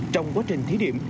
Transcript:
trong quá trình thí điểm